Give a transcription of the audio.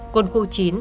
quân khu chín